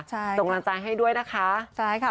ต้องกำลังใจให้ด้วยนะคะ